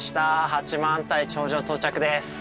八幡平頂上到着です。